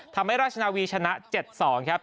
ทำให้ราชนาวีชนะ๗๒ครับ